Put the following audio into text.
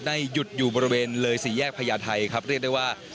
หยุดอยู่บริเวณเลยสี่แยกพญาไทยครับเรียกได้ว่า